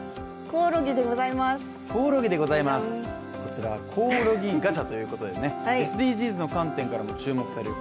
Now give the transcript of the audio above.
コオロギでございます、こちらコオロギガチャということでＳＤＧｓの観点からも注目される